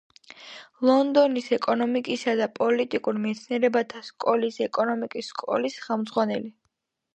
ლონდონის ეკონომიკისა და პოლიტიკურ მეცნიერებათა სკოლის ეკონომიკის სკოლის ხელმძღვანელი.